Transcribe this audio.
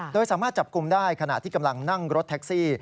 โดยสามารถจับกลุ่มได้ขณะที่กำลังนั่งรถแท็กซี่